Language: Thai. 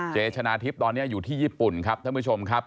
ชนะทิพย์ตอนนี้อยู่ที่ญี่ปุ่นครับท่านผู้ชมครับ